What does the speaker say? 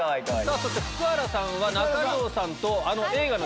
そして福原さんは中条さんと映画の。